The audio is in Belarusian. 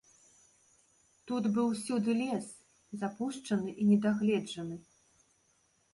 Тут быў усюды лес, запушчаны і недагледжаны.